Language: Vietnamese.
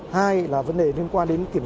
hai là vấn đề liên quan đến sản phẩm